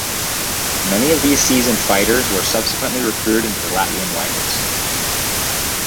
Many of these seasoned fighters were subsequently recruited into the Latvian Rifles.